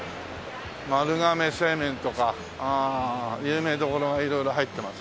丸亀製麺とか有名どころが色々入ってますね。